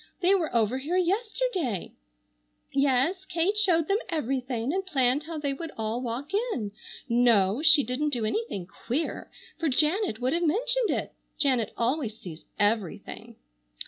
They were over here yesterday. Yes, Kate showed them everything and planned how they would all walk in. No, she didn't do anything queer, for Janet would have mentioned it. Janet always sees everything.